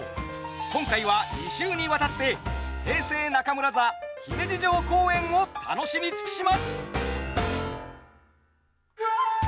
今回は２週にわたって平成中村座姫路城公演を楽しみ尽くします。